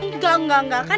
enggak enggak kan ada ian